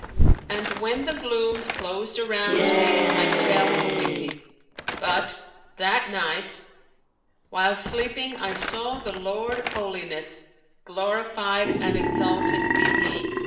[FN#497] And when the glooms closed around me, I fell a weeping; but, that night, while sleeping I saw the Lord of Holiness (glorified and exalted be He!)